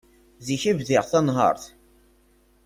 Zik i bdiɣ tanhert.